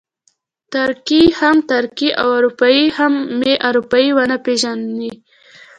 ترکي مې ترکي او اروپایي مې اروپایي ونه پېژني.